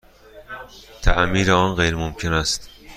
تعمیر آن غیرممکن است.